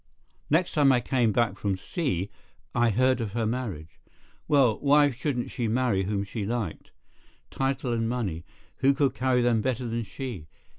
"Next time I came back from sea, I heard of her marriage. Well, why shouldn't she marry whom she liked? Title and money—who could carry them better than she?